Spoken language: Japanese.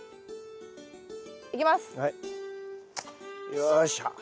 よいしょ。